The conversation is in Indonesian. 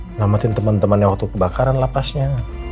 nelamatin teman temannya waktu kebakaran lah pasnya